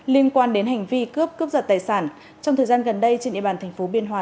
liên quan đến hành vi cướp cướp giật tài sản trong thời gian gần đây trên địa bàn thành phố biên hòa